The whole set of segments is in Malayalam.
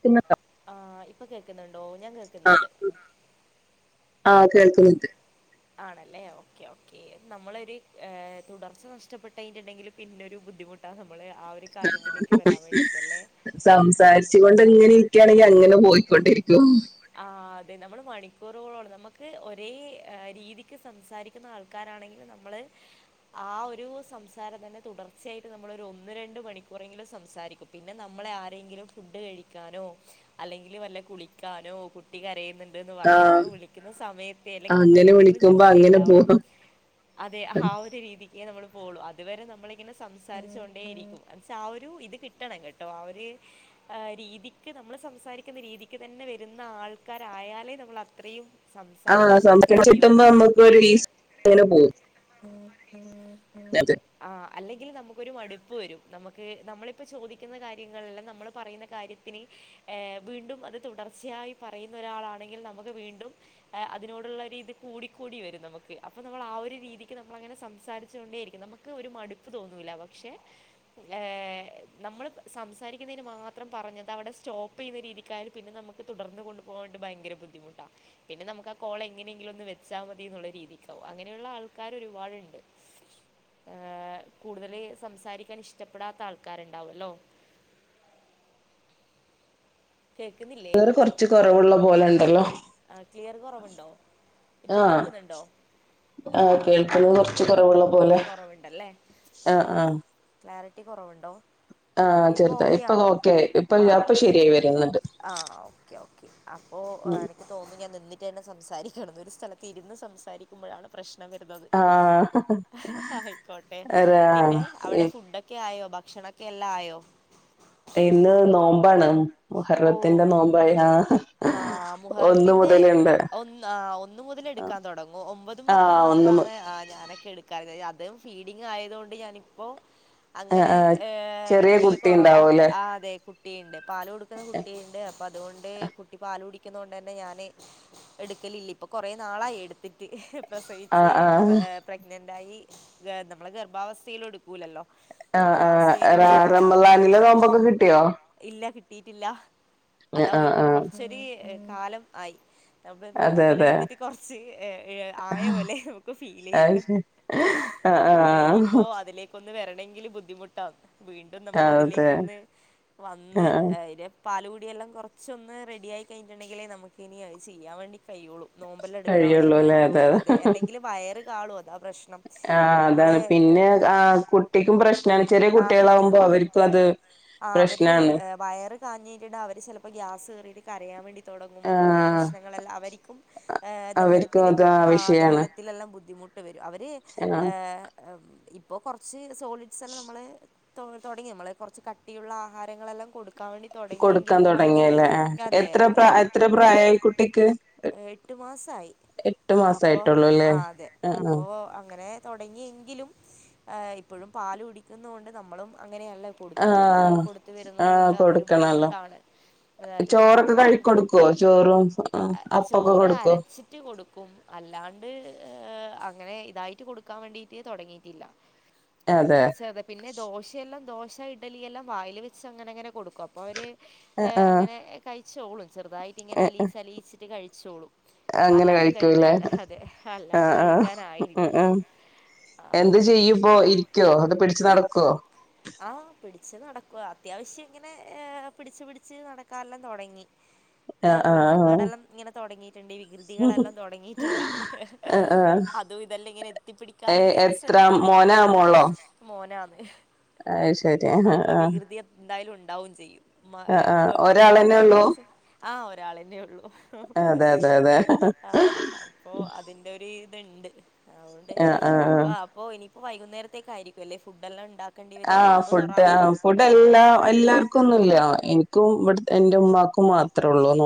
ക്കുന്നുണ്ടോ ആഹ് ഇപ്പൊ കേൾക്കുന്നുണ്ടോ ഞാൻ ആഹ് കേൾക്ക്ന്നുണ്ട് ആഹ് കേൾക്കുന്നുണ്ട് ആണല്ലേ ഓക്കെ ഓ നമ്മളൊര് ഏ തുടർച്ച നഷ്ടപ്പെട്ടയ്ഞ്ഞ്ട്ട്ണ്ടെങ്കിൽ പിന്നൊരു ബുദ്ധിമുട്ടാ നമ്മള് ആ ഒരു കാര്യത്തിലേക്ക് ഹ് വരാൻ ഹ് വേണ്ടിയിട്ടല്ലേ സംസാരിച്ച് കൊണ്ട്ങ്ങനെ ഇരിക്ക്യാണെങ്കിൽ അങ്ങനെ പോയിക്കൊണ്ടിരി ആഹ് അതെ നമ്മള് മണിക്കൂറുകളോളോളം നമുക്ക് ഒരേ രീതിക്ക് സംസാരിക്കുന്ന ആൾക്കാർ നാണെങ്കില് നമ്മള് ആ ഒരു സംസാരം തന്നെ തുടർച്ചയായിട്ട് നമ്മളൊര് ഒന്ന് രണ്ട് മണിക്കൂറെ ങ്കിലും സംസാരിക്കും പിന്നെ നമ്മളെ ആരെങ്കിലും ഫുഡ് കഴിക്കാനോ അല്ലെങ്കില് വല്ല കുളിക്കാ നോ കുട്ടികരയ് ന്ന് പറഞ്ഞിട്ട് ആഹ് വിളിക്കുന്ന സമയത്തെ അല്ലെങ്കി അങ്ങനെ നമ്മക്കെന്തെങ്കിലും വിളിക്കുമ്പോ ജോലി അങ്ങനെ ഇണ്ടാവണം പോകും അതെ ഹാ ഒര് രീതിക്ക് നമ്മള് പോളൂ അത്വരെ നമ്മളിങ്ങനെ സംസാരിച്ചു കൊണ്ടേയിരിക്കും എന്ന്ച്ചാ ആ ഒരു ഇത് കിട്ടണം കേട്ടോ ആ ഒര് ആ രീതിക്ക് നമ്മൾ സംസാരിക്കുന്ന രീതിക്ക് തന്നെ വരുന്ന ആൾക്കാരായാലേ നമ്മൾ അത്രയും ആഹ് സംസാരിക്കാൻ നമുക്ക് സംസാരിച്ച് കഴിയൊള്ളൂ കിട്ടുമ്പോ നമുക്ക് ഒരു ഇല്ലെങ്കില് ഈസ് അങ്ങനെ പോകും ഉം അതെ ആഹ് അല്ലെങ്കിൽ നമുക്കൊരു മട് പ്പ് വരും നമുക്ക് നമ്മളിപ്പോ ചോദിക്ക്ന്ന കാര്യങ്ങളെല്ലാം നമ്മള് പറയ്ന്ന കാര്യത്തിന് ഏ വീണ്ടും അത് തുടർ ർച്ചയായി പറയ്ന്ന ഒരാളാണെങ്കിൽ നമ്ക്ക് വീണ്ടും എ അതിനോട്ള്ളൊര് ഇത് കൂടിക്കൂടി വരും നമുക്ക് അപ്പൊ നമ്മൾ ആ ഒരു രീതിക്ക് നമ്മൾ അങ്ങനെ സംസാരിച്ചു കൊണ്ടേയിരിക്കും നമ്ക്ക് ഒര് മട്പ്പ് തോന്നൂല്ല പക്ഷെ ഏ നമ്മൾ സംസാരിക്കുന്നേന് മാത്രം പറഞ്ഞ അതവടെ സ്റ്റോപ്പ് ചെയ്യ്ന്ന രീതിക്കായാല് പിന്നെ നമ് തുടർന്ന് കൊണ്ട് പോകാട്ട് ഭയങ്കര ബുദ്ധിമുട്ടാ പിന്നെ നമുക്കാ കോളെങ്ങെനെയെങ്കിലും ഒന്ന് വെച്ചാ മതിന്നുള്ള രീതിക്കാവും അങ്ങനെയുള്ള ആൾക്കാരൊരുപാട്ണ്ട് ഏഹ് കൂടുതല് സംസാരിക്കാൻ ഇഷ്ടപ്പെടാത്ത ആൾക്കാര്ണ്ടാവൊല്ലോ കേൾക്കുന്നില്ലേ ർ കൊർച്ച് കൊറവ്ള്ള പോലെണ്ടല്ലോ ക്ലിയർ കുറവുണ്ടോ ഇപ്പൊ കേക്ക്ന്ന്ണ്ടോ ആ കേൾക്ക്ന്നെ കൊർച്ച് കൊറവ്ള്ള കൊറവ്ണ്ടല്ലേ ക്ലാരിറ്റി കൊറവ്ണ്ടോ ആഹ് ചെറ്തായി ഇപ്പൊ ഓക്കായി ഇപ്പൊ ആ പ്പൊ ശരിയായി വര്ന്ന്ണ്ട് ആ തന്നെ സംസാരിക്കണം ഒരു സ്ഥലത്ത് ഇരുന്ന് സംസാരിക്കുമ്പോഴാണ് പ്രശ്നം വരുന്നത് ആഹ ആയിക്കോട്ടെ പിന്നെ അവിടെ ഫുഡൊക്കെ ആയോ ഭക്ഷണൊക്കെ എല്ലാം ആയോ ഇന്ന് നോമ്പാണ് ഓ മുഹറത്തിന്റെ നോമ്പായ ആ ഒന്ന് മുഹറത്തിന്റെ മുതലുണ്ട് ഒന്ന് ആ ഒന്ന് മുതൽ എടുക്കാൻ തുടങ്ങ ഒമ്പതും പത്തും ആഹ് ഒന്ന് മു മാത്രാനൊക്കെ എ അതും ഫീഡിങ് ആയതുക കൊണ്ട് ഞാനിപ്പോ ആഹ് അങ്ങനെ ആഹ് ഏ ചെറിയ എടുക്കല് കുട്ടി കുറവാ ഉണ്ടാവൂല്ലേ ആ അതെ കുട്ടിയണ്ട് പ പുന്ന കുട്ടിയുടെ [unintelligible] അപ്പ അതുകൊണ്ട് കുട്ടി പാാല കുടിക്കുന്നത് കൊണ്ട് തന്നെ ഞാന് എടുക്കലില്ല ഇപ്പൊ കുറെേ നാളായി എടുത്തിട്ട് പ്രസവിച്ച് ആഹ് ആഹ് പ്രഗ്നന്റ് ആായി നമ്മളെ ഗർഭാവസ്ഥൽ എടുക്കൂലല്ലോ ആ ഗർഭാവസ്ഥയിലും ആ എടുക്കില്ല റമലാനിലെ തോമ്പൊക്കെ കിട്ടിയോ കിട്ടീട്ടില്ല ആഹ് അതാ ആഹ് ആഹ് കൊറച്ചൊരു കാലം ആയി നമ്മള ഇപ്പോ അതെ നോമ്പല അതെ എടുത്തിട്ട് കൊറച്ച് ആയ പോലെ നമുക്ക് ഫീൽ അത് ചെയ്യുന്നു ശരി ആഹ് അതെ ആഹ് ഇനിയിപ്പോ അതിലേക്കൊന്ന് വരണമെങ്കിൽ ബുദ്ധിമുട്ടാണ് വീണ്ടും നമ്മൾ അതെ അതിലേക്കൊന്ന് വന്ന് ആഹ് മറ്റേ പാല കൂിയെല്ലാം കുറച്ച്ൊന്ന് റെഡിയായിയി കഴിഞ്ഞട്ടുണ്ടെങ്കിൽ നമുക്കിനനിത് ചെയ്യാൻ വേണ്ടി കയ്യയുള്ളൂ നോമ്പല്ലാം കഴിയുള്ളൂ എടുക്കൻേണ്ടിട്ട് അല്ലേ പറ്റുകയുള്ളൂ അത അല്ലെങ്കിൽ വയ കാളും അതത് ആ അതാണ് പിന്നെ ആ കുട്ടിക്കും പ്രശ്നമാണ് ചെറിയ കുട്ടികളാവുമ്പോ അവർക്കും അത് ആ് അവര് പ്രശ്നാണ് വയർ കാഞ്ഞ കിഞ്ഞട്ടി അവ ചിലപ്പോ ഗ്യാസ് കറിട്ട് കരയാൻ വേണ്ടി തുടങ്ങും അങ്ങനത്തെ ആഹ് പ്രശ്നങ്ങളെല്ലാം അവർരിക്കും അവർക്കും ദഹനത്തില്ൽ അത് ആ വിഷയാണ് ദഹനത്തിലെല്ലാം ബുദ്ധിമുട്ട് വരും അവർ ആഹ് ഇപ്പോൾ കുറച്ച് സോളിഡ്സ്ല്ലാം നമ്മൾ തുടങ്ങി നമ്മളെ കുറച്ച് കട്ടിയുള്ള ആഹാരങ്ങളെല്ലാം കൊടുക്കും കൊടുക്കാൻ തുടങ്ങിയല്ലേ അതെ എത്ര പ്ര എത്ര പ്രായമായി കുട്ടിക്ക് മാസായി എട്ട് അപ്പൊ മാസായിട്ടുള്ളൂ അല്ലേ ആ അതെ ആ അപ്പൊ അങ്ങനെ തുടങ്ങിയെങ്കിലും ഇപ്പോഴും പാാല കുടിക്കുന്നുക കൊണ്ട് നമ്മളും അങ്ങനെയല്ല കൊടുത്ത് കൊടുത്ത വരുന്നുന്നത് കൊണ്ട് അത് ക്കണല്ലോ ചോറൊക്കെ ബുദ്ധിമുട്ടാണ് കഴിടുക്കുവോ ചോറും അപ്പൊക്കെ കൊടുക്കുവോ വ കൊടുക്കും അല്ലാണ്ട് അങ്ങനെ ഇതായിട്ട് കൊടുക്കാൻ വേണ്ടിട്ട് തുടങ്ങിയിട്ടില്ല അതെ ചെുതെ പിന്നെ ദോശയെല്ലാം ദോശ ഇഡലിെല്ലാം വായിൽ വെച്ച് അങ്ങനെ അങ്ങനെ കൊടുക്കും അപ്പോൾ അവര് ആഹ് അങ്ങനെ കഴിച്ചോളും ചെറുതായിട്ട് ഇങ്ങനെ ആഹ് അലീച്ച അലീയിച്ചിട്ട് കഴിച്ചോളൂ അങ്ങനെ അല്ലാണ്ട് കഴിക്കൂല്ലേ കഴിക്കാൻ അതെ അല്ലാണ്ട് ആഹ് ആഹ് ഉം കഴിക്കൻായിില്ലല്ലോ ഉം എന്ത് ചെയ്യുംപ്പോ ഇരിക്കുവോ അത് പിടിച്ച നടക്കുവോ ആഹ് പിടിിച്ചച്ച് നടക്കുവ അത്യാവശ്യം ഇങ്ങനെ പിടിച്ചു പിടിച്ച് നടക്കെല്ലാം തുടങ്ങി ആ ആഹ് ആഹ് കുരുത്തക്കടല്ലാം ഇങ്ങനെ തുടങ്ങി ണ്ട്ഈ വികൃതികളെല്ലാം തുടങ്ങിയിട്ടുണ്ട് ആഹ് ആഹ് ആഹ് അതും ഇതെല്ലാം ഇങ്ങനെ ഏ എത്തിപ്പടിക്കാനൻല്ലാം ഇങ്ങനെ ശ്ര എത്ര മോനാ മോളോ മോനാമ അത് ശരി ആഹ് അപ്പൊ ആഹ് വികൃതി എന്തായാലും ഉണ്ടാവും ചെയ്യും ആഹ് ആഹ് ഒരാളന്നെ പെ്മക്കളാണെങ്കിൽ ഉള്ളൂ കൊറച്ച് ആഹ ഒരാളന്നേ ഉള്ളൂ അതെ അതെ അതെ ആ അപ്പൊ അതിന്റെ ഒരു ണ്ട് അതുകൊണ്ട് ഇ ആഹ് ആഹ് അപ്പ ഇനിയിപ്പോ വൈകുന്നേരത്തേക്ക ആയിരിക്കും അല്ലേ ഫുഡ്ല്ലാം ഉണ്ട ആഹ് ഫുഡ് ആ ഫുഡ് എല്ലാ എല്ലാവർക്കും ഒന്നുംല്ല എനിക്കും ഇവി എന്റെ ഉമ്മാ കുുമാർ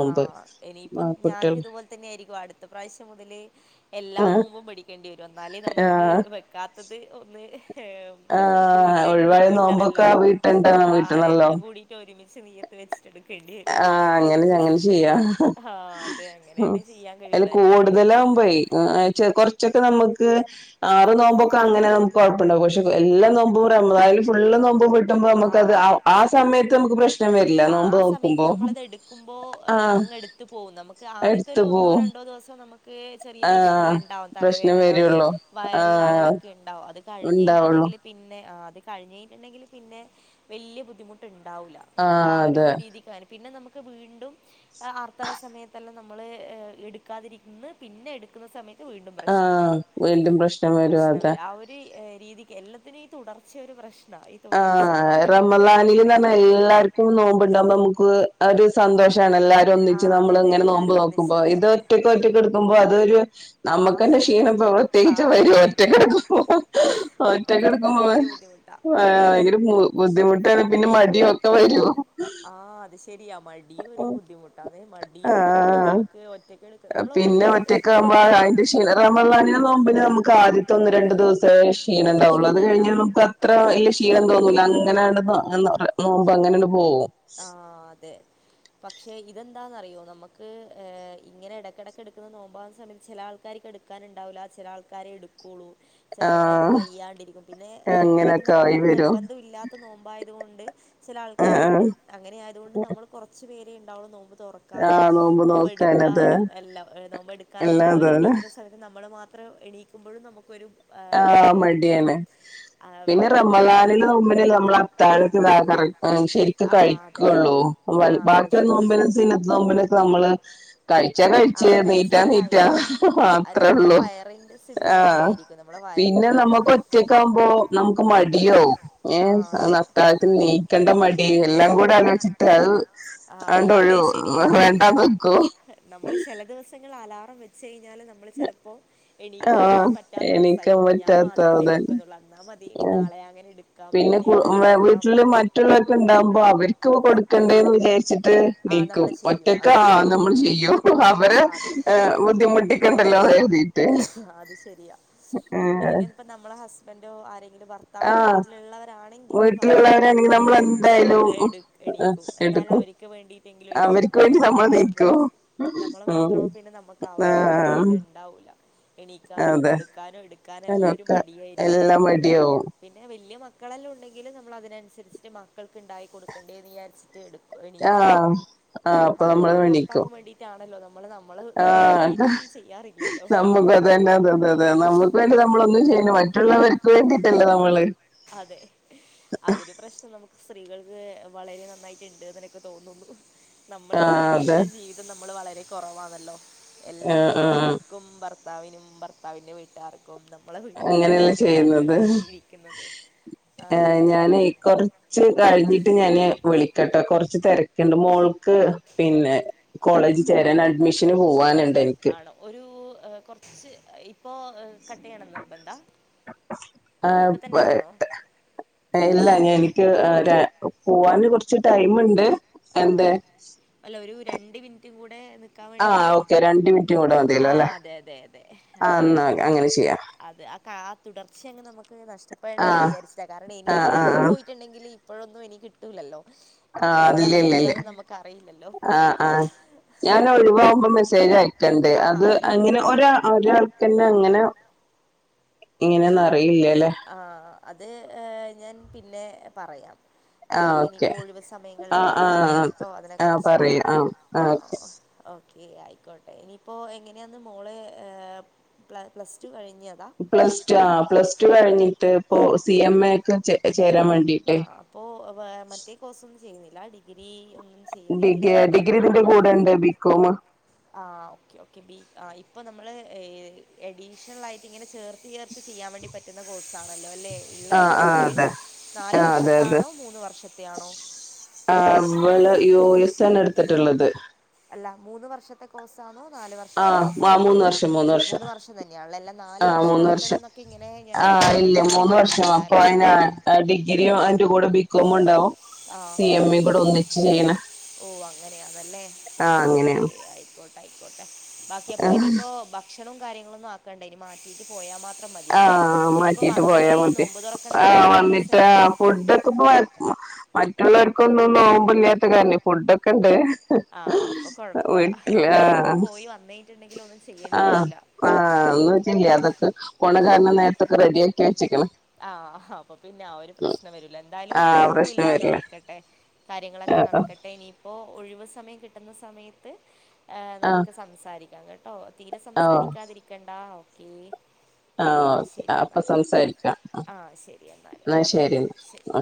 ആഹ ഇനിയിപ്പ ഞാനും ഇതുപോലെ തന്നെ ആയിരിക്കും അടുത്ത പ്രാവശ്യം മുതല് എല്ലാം ആഹ് നോുമ്പോം പടിക്കേണ്ടി വരും എന്നാലേ നമുക്ക് ആഹ് വെക്കാത്തത് ഒന്ന് ആഹ് വീട്ടൺ ഒഴിവായ നോമ്പൊക്കെ വീട്ടണല്ലോ വീട്ടണ്ട ആഹ വീട്ടണല്ലോ രണ്ടും കൂടിട്ട ഒരുമിച്ച് പക്ഷെ നീ്യത്ത് വെച്ചിട്ട എടുക്കേണ്ടി വും ആണല്ലോ ചെയ്യാ അങ്ങനെ ഉം തന്നെ ചെയ്യാൻ അതില് കഴിയുള്ളൂ എന്റെ ഒരു കൂടുതലാകുമ്പഴേ കൊറ ച്ചൊക്കെ നമുക്ക് ആറ് നോമ്പൊക്കെ അങ്ങനെ നമുക്ക് കുഴപ്പുണ്ടാവും പക്ഷെ എല്ലാ നോമ്പും [unintelligible] ഫുള്ള് നോമ്പും കിട്ടുമ്പോ ആഹ് നമുക്കത് അതെ ആ സമയത്ത് നമുക്ക് പ്രശ്നം വരില്ല ആഹ് നോമ്പ് ആ നോ സമയത്ത് നമ്മളത് എടുക്ക്പോൾ അ എടുത്ത് പോവുംും നമുക്ക് ആദ്യത്തെ എടുത്തു ഒന്നോ പോവും രണ്ടോ ദിവസം നമു ഈ പ്രശ്നെല്ലാം ആഹ് ണ്ടാവും പ്രശ്നം തലവേദന വരുള്ളൂ വയറ് ആഹ് കാളലൊക്കെണ്ടാവും ഉണ്ടാവുള്ളൂ കഴിഞ്ഞെയ്ഞ്ഞ്ട്ട്ണ്ടെങ്കില് പിന്നെ ആഹ് അത് കഴിഞ്ഞെയ്ഞ്ഞ്ട്ട്ണ്ടെങ്കില് പിന്നെ വെല്യെ ബുദ്ധിമുട്ട്ൺ ണ്ടാവൂല നമുക്ക് ആഹ് ആ ഒരു അതെ രീതിക്കാന് പിന്നെ നമു ക്ക് വീണ്ടും പ്പ ആർത്തവ സമയത്തെല്ലാം നമ്മള് ഏഹ് എട്ക്കാതിരിക്ക്ന്ന് പിന്നെ എട്ക്ക്ന്ന സമെയെ ത്ത് വീണ്ടും പ്രശ്നം ആഹ് വെരും വീണ്ടും വരും പ്രശ്നം അതെ വെരും ആ ഒര് ഏ രീതിക്ക് എല്ലത്തിനും ഈ തുടർച്ചയൊര് പ്രശ്നാ ആഹ റമളാനില്ന്നർഞ്ഞാ എല്ലാര്ക്കും നോമ്പ്ണ്ടാവും നമുക്ക് അ ഒര് സന്തോഷ് ഷാണ് എല്ലാരും ഒന്നിച്ച് ആഹ് അതെ അതെ നമ്മള്ങ്ങെനെ നോമ്പ് എല്ലാരും നോക്കുമ്പോ ഒന്നിച്ചത് ഇത് അതെ ഒറ്റക്ക് ഒറ്റെക്കെട്ക്ക്മ്പോ അത് ഒരു ആഹ് നമ്മക്കയ്ന്റെ ക്ഷീണം പ്രത്യേകിച്ച് ആഹ് അതെ വെരും ശരിയാ ഒറ്റക്ക്ട്ക്കുമ്പോ ഒറ്റക്കെടുക്കാൻ ഒറ്റക്ക്ട്ക്കുമ്പ ഭയങ്കര ബുദ്ധിമുട്ടാ ആഹ് ഭയെങ്കെര ബുദ്ധിമുട്ടാണ് പിന്നെ മടി ഒക്കെ വരും ആഹ് അത് ശെരിയാ മടിയും ഒരു ബുദ്ധിമുട്ടാന്നെ മടിയുംണ്ടാവും ആഹ് നമുക്ക് ഒറ്റക്കെട് പിന്നെ ഒറ്റെക്കാവുമ്പോ അ അയ്ന്റെ ഷീ റമളാനിലെ നോമ്പ്ന് നമ്ക്ക് ആദ്യത്തെ ഒന്ന് രണ്ട് ദിവസേ ഷ് ക്ഷീണംണ്ടാവാെള്ളൂ അത് ക്ഷീണം കഴിഞ്ഞ ഉണ്ടാവുള്ളൂ നമുക്കത്ര ഇല്ല ക്ഷീണം തോന്നൂലാ അങ്ങെനേണ്ട് ന ങ്ങ ന നോമ്പ് അങ്ങെനേണ്ട് പോവും ആഹ് അതെ പക്ഷെ ഇതെന്താന്നറിയോ നമ്ക്ക് ഏഹ് ഇങ്ങെനെ എടെക്കെടെക്ക് എട്ക്ക്ന്ന നോമ്പാവ്ന്ന സമയത്ത് ചെല ആൾ ക്കാരിക്കെട്ക്കാന്ണ്ടാവൂല ചെലെ ആൾക്കാരെ എട്ക്കാേളൂ ചെലെ ആൾക്കാരിക്ക് ആഹ് വയ്യാണ്ടിരിക്കും പിന്നെ ഏഹ് എടെക്ക് അങ്ങനൊക്കെ നമ്ക്ക് ആയി ഇത് വരും നിർബന്ധം ഇല്ലാത്ത നോമ്പായത് കൊണ്ട് ചെലെ ആൾക്കാര് ആഹ് വിടും അങ്ങെനെ ആയത്കൊണ്ട് നമ്മൾ കാെറച്ച് പേരെണ്ടാവള്ളൂ നോമ്പ് തുറക്കാനും ആഹ് നോമ്പ് നോക്കാനത് എട്ക്കാനും എല്ലാം ഏഹ് നോമ്പ് എട്ക്കാന് എല്ലാം രാവിലെ അതന്നെ എണീക്ക്ന്ന സമത്ത് നമ്മള് മാ ത്രം എണീക്ക്മ്പഴും നമുക്കൊരു ഏഹ് ആഹ് മടിയായിരിക്കും മട്യാണ് ആ, പിന്നെ നമ്മൾ മാത്രം റമളാനിലെ നോമ്പിനല്ലേ തുറക്കുമ്പോഴും നമ്മള് അത്താഴൊക്കെ ഇതാക്കാറ് ആഹ് ശെരിക്കും ആഹ് അതെ കഴിക്കുള്ളൂ ആഹ് അത് ബാക്കിയ ശരി അത് ശരി [unintelligible] നമ്മള് കഴിച്ചാ കഴിച്ച് ആഹ് നീറ്റാ കഴിച്ചാലായി നീറ്റാ നല്ല അത് അത്രേ നമ്മളെ ഉള്ളൂ വയറിന്റെ സ്ഥിതി പോലെ ആഹ് ആയിരിക്കും നമ്മളെ പിന്നെ വയറിന് തി നമക്ക് ഒറ്റക്കാമ്പോ നമുക്ക് മടിയാവും ഏഹ് ആഹ് അതെ അത്താഴത്തിനേ ക്കണ്ട മടി എല്ലാം കൂടെ ആലോചിച്ചിട്ട് അത് ആഹ് അതൊണ്ട് അതെ ഒഴു ശരിയാ വേണ്ടന്നെക്കും നമ്മള് ചില ദിവസങ്ങളില് അലാറം വെച്ച് കഴിഞ്ഞാല് നമ്മള് ചിലപ്പോ എണീക്കാൻ ആഹ് വേണ്ടി പറ്റാത്ത എണീക്കാൻ അവസ്ഥയോ ഞാൻ പറ്റാത്ത മാത്രല്ലേ അതന്നെ വെക്കുന്നുള്ളൂ അന്നാൽ മതി ഇനി ആ നാളെ അങ്ങനെ എടു ക്കാം പിന്നെ എങ്ങാനും എടുക്കാം വീട്ടില് എന്നുള്ളൊരു മറ്റുള്ളത്ക്കെ ഇണ്ടാവും അവരിക്ക് കൊടുക്കണ്ടേന്ന് വിചാരിച്ചിട്ട് ആഹ് നീക്കും നമ്മള് ചെയ്യും ഒറ്റക്ക് അത് ആഹ് ശരിയാ നമ്മൾ ചെയ്യും ആവ ആഹ് അതെ ബുദ്ധിമുട്ടിക്കണ്ടല്ലോ കരുതിട്ട് അത് ശരിയാ അല്ലെങ്കിൽ ഇപ്പോ നമ്മളെ ഹസ്ബൻഡോ ആരെങ്കിലും ഭർത്താവെല്ലാം ആഹ് വീട്ടിലുള്ളവരാ വീട്ടിലുള്ളവരാണെങ്കി നമ്മള് എന്ത ആഹ് എ എണീക്കും എന്തായാലും അവര്ക്ക് വേണ്ടിട്ടെങ്കിലും എണീക്കും അവർക്ക് നമ്മൾ വേണ്ടി മാത്രം ആകുമ്പോ നീക്കും നമ്മള് ഉം മാത്രമവുമ്പോ പിന്നെ നമുക്ക് ആഹ് ഒരു ഇത്ണ്ടാവൂല എണീക്കാനും അതെ കൊടുക്കാനും എടുക്കാനും എല്ലാം ഒരു അതൊക്കെ മടിയായിരിക്കും എല്ലാം മടിയാവും പിന്നെ വല്യ മ മക്കളെല്ലാം ഉണ്ടെങ്കില് നമ്മള് അതിനനുരിച്ചിട്ട് മക്കൾക്ക് ഇണ്ടായി കൊടുക്കണ്ടേനി എന്ന് വിചാരിട്ട് എടുക്കും എണീക്കും ആഹ് ആഹ് അപ്പൊ നമ്മള് മക്കൾക്കും എണീക്കും ഭർത്താവും വേണ്ടീട്ടാണല്ലോ നമ്മള് നമ്മള് നമ്മുക്ക് ആഹ് വേണ്ടീട്ടൊന്നും നമുക്ക് അതന്നെ അതെതെ അതെ നമ്മുക്ക് വേണ്ടി നമ്മളൊന്നും ചെയ്യ മറ്റുള്ളവർക്ക് വേണ്ടിട്ടല്ലേ നമ്മള് അതെ അതൊരു പ്രശ്നം നമുക്ക് സ്ത്രീകൾക്ക് വളരെ നന്നായിട്ടുണ്ട് എന്നൊക്കെ തോന്നുള്ളൂ ആ നമ്മൾക്ക് അതെ വേണ്ടിട്ടുള്ള ജീവിതം നമ്മൾ വളരെ കുറവാണല്ലോ ആ എല്ലാം ആ നമ്മുടെ മക്കൾക്കും ഭർത്താവിനും ഭർത്താവിൻ്റെ വീട്ടുകാർക്കും നമ്മളെ വീട്ട്കാർക്ക് വേണ്ടി മാത്രല്ലേ ജീവിക്കുന്നത് ഏഹ് അതെ. ഞാനേ കുറച്ച് കഴിഞ്ഞിട്ട് ഞാന് വിളിക്കട്ടൊ കൊറ്ച്ച് ച്ച് തെരക്ക്ണ്ട് മോൾക്ക് പിന്നെ കോളേജി ചേരാൻ അഡ്മിഷന് പോവാന്ണ്ട് ആണോ ഒരു ഹ് കൊർച്ച് ഇപ്പോ കട്ട്യ്യണ നിർബന്താ ആഹ് പ് ഇല്ലാ എനിക്ക് ആര പോവാന് കെർച്ച് ടൈമ് ണ്ട് ആഹ് അല്ല ഒരു രണ്ട് മിനിറ്റ് കൂടെ നി ക്കാൻ ആ വേണ്ടീട്ട് ഓക്കെ രണ്ട് മിനിറ്റ് കൂടെ മതിയല്ലോ അല്ലെ ആഹ് അതെ അതെ അതെ ആഹ് ആ അപ്പൊ എന്നാ നമുക്ക് അങ്ങനെ ചെയ്യാം അത് അ ആ തുടർച്ചയങ്ങ് നമുക്ക് ആ നഷ്ട്ടപ്പെടണ്ടാന്ന് വിചാരിച്ചതാ കാരണം ഇനി ആ ഇനിയിപ്പ ആ ഇപ്പ ആ പോയിട്ടുണ്ടെങ്കിൽ ഇപ്പോഴൊന്നും ഇനി കിട്ടൂലല്ലോ ഇനിയിപ്പോ ആവി എപ്പോഴാ വിളിക്കാന്ന് നമ്ക്കറിയില്ലല്ലോ ആ ഞാൻ ഒഴിവാവുമ്പോ മെസ്സേജ് അയക്കണ്ട് ആഹ് അത് ആയിക്കോട്ടെ അങ്ങിനെ ഒരാ ഒരാൾക്ക ന്നെ അങ്ങനെ ഇങ്ങനെന്ന് അറിയില്ല ആഹ് അത് ഹ് ഞാൻ പിന്നെ പറയാം ആ നമുക്ക് ഓക്കെ ഇനിയിപ്പോ ഒഴിവ് സമയങ്ങളിൽ ആ നമ്ക്ക് ആ പറയാം ട്ടോ അതിനെ ആ കുറിച്ചിട്ട് പറയൂ ആ ആ ആഓ ഓക്കെ ഒ ഓക്കെ ആയിക്കോട്ടെ ഇനിയിപ്പോ എങ്ങനെയാന്ന് മോള് അ് പ്ലാപ്ലസ് റ്റു കഴി പ്ലസ് റ്റൂആ പ്ലസ്റ്റു കഴിഞ്ഞിട്ട് ഇപ്പ സി എം ഏക്ക് ചേ ചേ ആ ഓ അപ്പൊ മറ്റേ കോഴ് സൊന്നും ചെയ്യുന്നില്ല ഡിഗ്രീ ഡിഗ്ഡിഗ്രി തിന്റെ കൂടെണ്ട് ബീക്കോമ് ആ ഓക്കെ ഓക്കെ ബി ആ ഇപ്പൊ നമ്മള് ഏ എഡീഷ്ണലാ യിട്ട് ഇങ്ങനെ ചേർത്ത് ചേർത്ത് ചെയ്യാൻ വേണ്ടി പറ്റുന്നകോഴസ് ആണല്ലോ അല്ലേ ആ ഇള്ളത് ആ കൂട്തല് നാല് വർഷത്താണോ മൂന്ന് വർ ആവ്ള് യു എസ് ആണ് എടുത്തിട്ടുള്ളത് അല്ല മൂന്ന് വർഷത്തെ കോഴ്സ്സാന്നോ നാല് ആ വർഷത്തെ ആ കോയ്സാന്നോ മൂന്ന് വർഷം മൂന്ന് വർഷം തന്നെയാണല്ലോ അല്ല നാല് ആ വർഷം മൂന്ന് ആക്കണം എന്നൊക്ക ഇങ്ങനെ ഇങ്ങനെ ആ ഇല്ല മൂന്ന് വർഷം അപ്പൊ അയ്ന് അഡിഗ്രിയും അതിന്റെ കൂടെ ബി [unintelligible] ബിക്കേമ്ണ്ടാവും ആ സി എം എ കൂടെ ഒന്നിച്ച് ചെയ്യണ ഓ അങ്ങനെയാന്നല്ലേ ആ ഓക്കേ അങ്ങനെയാണ് ആയ്ക്കോട്ടെ യിക്കോട്ടെ ബാക്കി അപ്പോഇനിയിപ്പോ ഭക്ഷണം കാര്യങ്ങളൊന്നും ആക്കണ്ടെ ഇനി മാറ്റീട്ട് പോയാ മാ അ ആ മാറ്റിട്ട് പോയാമതി നോമ്പ് തുറക്കേണ്ട കാര്യങ്ങളെല്ലാം ആവന്നിട്ട് സെ- ആഫുഡക്കെ ഇപ്പ മറ്റുള്ളവര്ക്കൊന്നും നോമ്പി ല്ലാത്ത കാരണം ഫുഡൊക്കെണ്ട് ആ അപ്പൊ കൊഴ്പ്പുല്ല ഹ് അപ്പെനിപ്പോ ആഹ് പോയി വന്ന കഴിഞ്ട്ട്ണ്ടെങ്കിലും ഒന്നും ചെയ്യെണ്ടി വരൂല അതൊന്നു വെച്ചില്ല അതൊക്കെ പോണ കാരണം നേരത്തൊക്കെ റെഡിയാക്കി വെച്ച്ക്ക്ണ് ആഹ് ഹാ അപ്പൊ പിന്നെ ആ ഒരു പ്രശ്നം വരൂല എന്തായാലും ആഹ് കൊഴപ്പവില്ല പ്രശ്നം വരില്ല നടക്കട്ടെ കാര്യങ്ങള ഒക്കെ ആഹ് നടക്കട്ടെ ഇനിയിപ്പോ ഒഴിവ് സമയം കി ട്ടുന്ന സമയത്ത് ഏ ആഹ് നമുക്ക് സംസാരിക്കാം കേട്ടോ തീരെ ആഹ് ഓ സംസാരിക്കാതിരിക്കണ്ടാ ആഹ് ഓക്കെ അപ്പൊ എന്നാല് സംസാരിക്കാം ആഹ് ശരി എന്നാല് എന്നാ ഓക്കെ ശരി ശരി എന്നാ